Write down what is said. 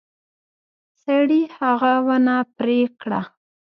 سړي هغه ونه پرې کړه.